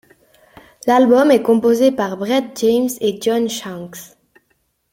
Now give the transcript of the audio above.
L'album est composé par Brett James et John Shanks.